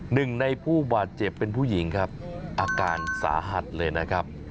หนึ่งในผู้บาดเจ็บเป็นผู้หญิงครับอาการสาหัสเลยนะครับ